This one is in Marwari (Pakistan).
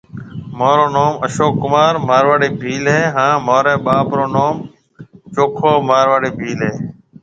مهارو نوم اشوڪ ڪمار مارواڙي ڀيل هيَ هانَ مهاري ٻاپ رو نوم چهوکهو ماروارڙي ڀيل هيَ۔